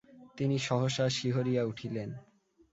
তিনি সহসা শিহরিয়া উঠিলেন।